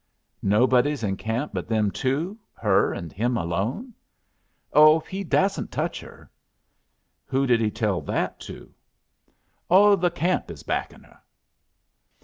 "Nobody's in camp but them two? Her and him alone?" "Oh, he dassent touch her." "Who did he tell that to?" "Oh, the camp is backin' her.